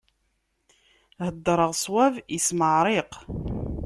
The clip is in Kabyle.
Heddṛeɣ ṣṣwab, ismeɛṛiq.